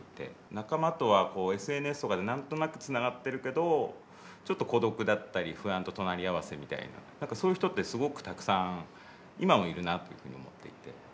仲間とはこうＳＮＳとかで何となくつながってるけどちょっと孤独だったり不安と隣り合わせみたいななんかそういう人ってすごくたくさん今もいるなというふうに思っていて。